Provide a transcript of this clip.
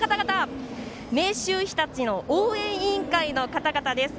明秀日立の応援委員会の方々です。